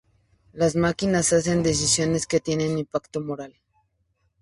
Las máquinas hacen decisiones que tienen impacto moral.